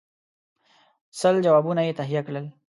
سل جوابونه یې تهیه کړل.